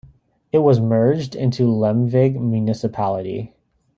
It was merged into Lemvig Municipality.